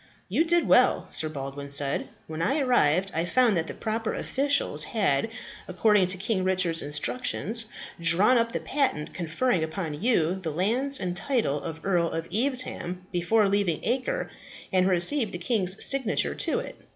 "You did well," Sir Baldwin said. "When I arrived, I found that the proper officials, had, according to King Richard's instructions, drawn up the patent conferring upon you the lands and title of Earl of Evesham, before leaving Acre, and had received the king's signature to it.